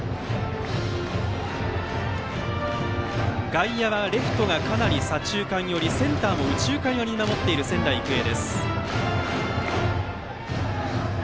外野はレフトがかなり左中間寄りセンターも右中間寄りに守っている仙台育英。